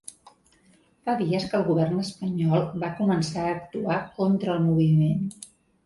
Fa dies que el govern espanyol va començar a actuar contra el moviment.